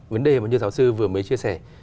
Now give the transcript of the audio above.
vấn đề mà như giáo sư vừa mới chia sẻ